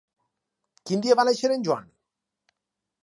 Quin dia va néixer en Joan?